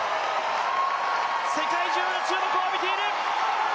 世界中の注目を浴びている。